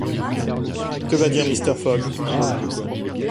Que va dire Mr. Fogg ?